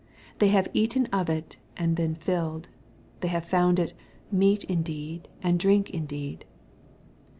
They have eaten of it and been "filled." They have found it " meat indeed and drink indeed."